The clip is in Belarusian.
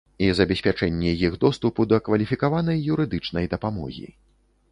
І забеспячэнне іх доступу да кваліфікаванай юрыдычнай дапамогі.